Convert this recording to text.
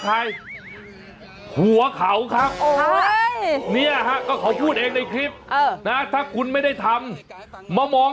แล้วห้องน้ำมันสูงเมียกูกี้เห็น